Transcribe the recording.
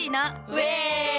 ウェイ！